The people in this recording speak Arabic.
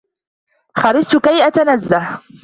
خُرِجْتِ كَيْ أَتَنَزَّهَ.